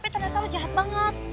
ternyata lo jahat banget